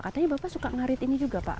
katanya bapak suka ngerit ini juga pak